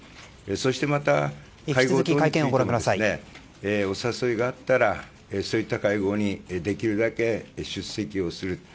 そしてまた、お誘いがあったらそういった会合にできるだけ出席をすると。